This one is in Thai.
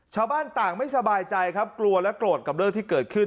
ชาวบ้านต่างไม่สบายใจครับกลัวและโกรธกับเรื่องที่เกิดขึ้น